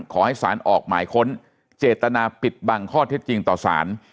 ขอให้สารออกหมายค้นเจตนาปิดบังข้อเท็จจริงต่อสาร